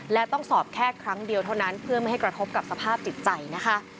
และต้องสอบแค่ครั้งเดียวเท่านั้นเพื่อไม่ให้กระทบกับสภาพจิตใจนะคะ